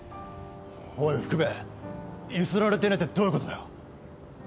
おい幅部ゆすられてねえってどういうことだよ？